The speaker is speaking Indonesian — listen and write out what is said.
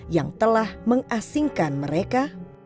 yang telah mengasingkan mereka